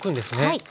はい。